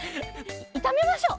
いためましょう！